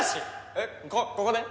えっこここで？